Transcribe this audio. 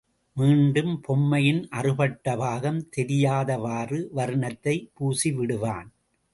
மீண்டும் பொம்மையின் அறுபட்ட பாகம் தெரியாதவாறு வர்ணத்தைப் பூசிவிடுவான்.